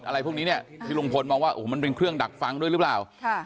อะไรพวกนี้เนี่ยที่ลุงพลมองว่าโอ้โหมันเป็นเครื่องดักฟังด้วยหรือเปล่า